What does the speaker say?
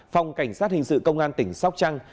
phòng cảnh sát hình sự công an tỉnh sóc trăng